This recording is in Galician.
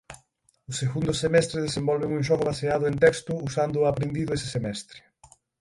O segundo semestre desenvolven un xogo baseado en texto usando o aprendido ese semestre.